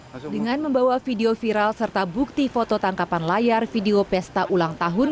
hai dengan membawa video viral serta bukti foto tangkapan layar video pesta ulang tahun